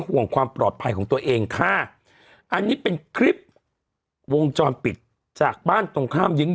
ห่วงความปลอดภัยของตัวเองค่ะอันนี้เป็นคลิปวงจรปิดจากบ้านตรงข้ามยิ้ง